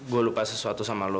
gue lupa sesuatu sama lo